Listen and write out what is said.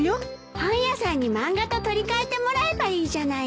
本屋さんに漫画と取り換えてもらえばいいじゃないの？